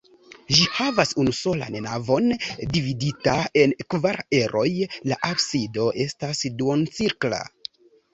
Ĝi havas unusolan navon, dividita en kvar eroj; la absido estas duoncirkla.